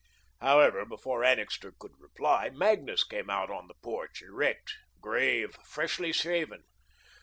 However, before Annixter could reply, Magnus came out on the porch, erect, grave, freshly shaven.